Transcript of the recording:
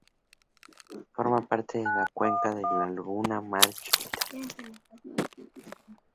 Forma parte de la cuenca de la Laguna Mar Chiquita.